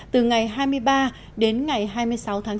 từ ngày hai mươi ba đến ngày hai mươi sáu tháng chín